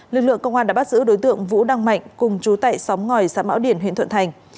lực lượng công an đã bắt giữ đối tượng vũ đăng mạnh cùng chú tại xóm ngòi xã mão điền huyện thuận thành